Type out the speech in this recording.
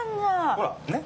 ほらねっ！